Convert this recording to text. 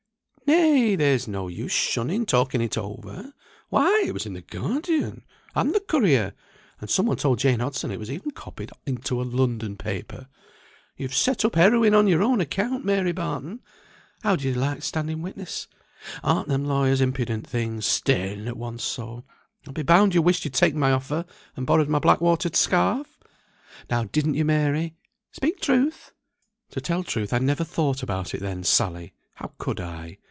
"Nay! there's no use shunning talking it over. Why! it was in the Guardian, and the Courier, and some one told Jane Hodson it was even copied into a London paper. You've set up heroine on your own account, Mary Barton. How did you like standing witness? Ar'n't them lawyers impudent things? staring at one so. I'll be bound you wished you'd taken my offer, and borrowed my black watered scarf! Now didn't you, Mary? Speak truth!" "To tell truth, I never thought about it then, Sally. How could I?"